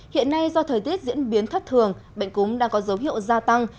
hiện nay do thời tiết diễn biến thất thường bệnh cúm đang có dấu hiệu gia tăng